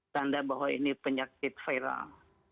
tanda bahwa ini penyakit viral